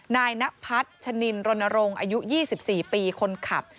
นายนพัฒน์ชะนินรณรงค์อายุ๒๔ปีคนขับ